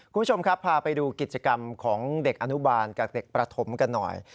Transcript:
คุณผู้ชมครับพาไปดูกิจกรรมของเด็กอนุบาลกับเด็กประถมกันหน่อย